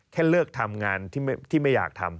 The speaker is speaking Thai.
แค่เลิกทำงานที่ไม่อยากทำ